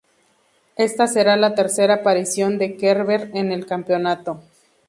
Esta será la tercera aparición de Kerber en el Campeonato.